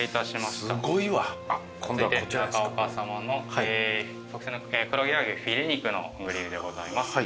続いて中岡さまの特選の黒毛和牛フィレ肉のグリルでございます。